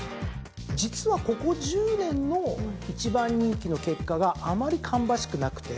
実はここ１０年の１番人気の結果があまり芳しくなくて。